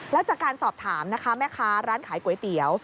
แล้วจากการสอบถามนะคะแม่ค้าร้านขายก๋วยเตี๋ยว